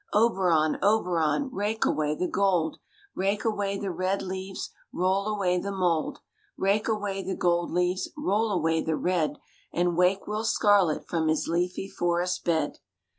\ Oberon, Oberon, rake away the gold, Rake away the red leaves, roll away the mould, Rake away the gold leaves, roll away the red, And wake Will Scarlett from his leafy forest bed.